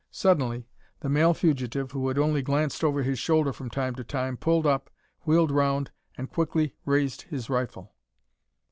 Suddenly the male fugitive, who had only glanced over his shoulder from time to time, pulled up, wheeled round, and quickly raised his rifle.